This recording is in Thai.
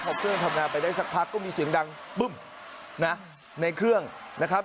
พอเครื่องทำงานไปได้สักพักก็มีเสียงดังปึ้มนะในเครื่องนะครับ